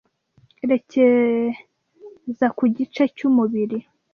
ryerekeza ku gice cyumubiri